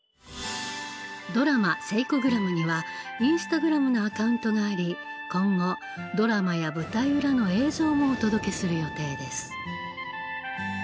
ドラマ「セイコグラム」にはインスタグラムのアカウントがあり今後ドラマや舞台裏の映像もお届けする予定です。